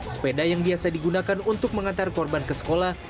sepeda yang biasa digunakan untuk mengantar korban ke sekolah